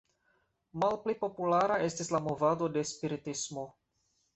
Malpli populara estis la movado de spiritismo.